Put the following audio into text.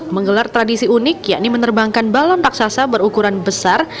menggelar tradisi unik yakni menerbangkan balon raksasa berukuran besar